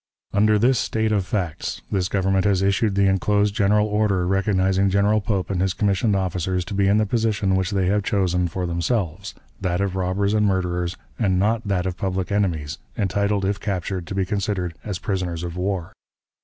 "Under this state of facts, this Government has issued the inclosed general order, recognizing General Pope and his commissioned officers to be in the position which they have chosen for themselves, that of robbers and murderers, and not that of public enemies, entitled, if captured, to be considered as prisoners of war.